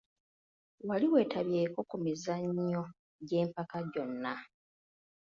Wali wetabyeko ku mizannyo gy'empaka gyonna.?